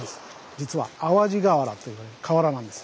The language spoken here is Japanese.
実は「淡路瓦」と言われる瓦なんです。